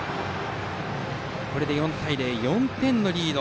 これで４対０、４点のリード。